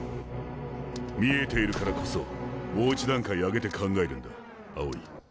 見えているからこそもう一段階上げて考えるんだ青井。